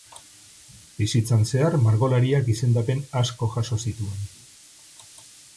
Bizitzan zehar margolariak izendapen asko jaso zituen.